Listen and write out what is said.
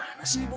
gimana sih bu